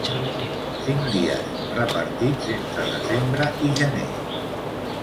Cinc dies repartits entre desembre i gener.